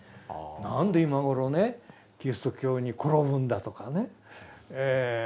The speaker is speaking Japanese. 「なんで今頃ねキリスト教に転ぶんだ」とかね